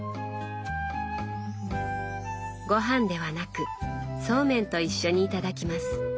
ごはんではなくそうめんと一緒にいただきます。